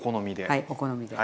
はいお好みで。